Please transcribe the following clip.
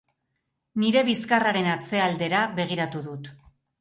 Nire bizkarraren atzealdera begiratu dut.